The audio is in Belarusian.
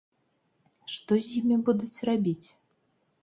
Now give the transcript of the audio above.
Што з імі будуць рабіць?